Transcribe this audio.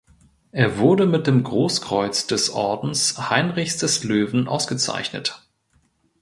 Er wurde mit dem Großkreuz des Ordens Heinrichs des Löwen ausgezeichnet.